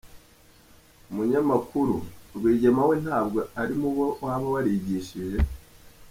Umunyamakuru: Rwigema we ntabwo ari mu bo waba warigishije?.